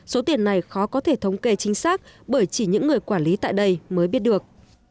số tiền này khó có thể thống kê chính xác bởi chỉ những người quản lý tại đây mới biết được